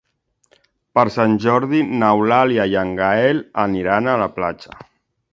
Per Sant Jordi n'Eulàlia i en Gaël aniran a la platja.